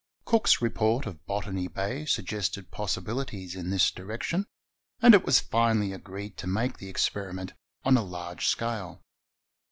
Cook's report of Botany Bay suggested possibilities in this direction, and it was finally agreed to make the experiment on a large scale.